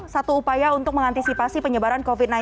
satu upaya untuk mengantisipasi penyebaran covid sembilan belas